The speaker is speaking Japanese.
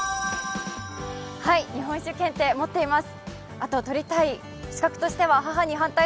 はい、日本酒検定、持っています。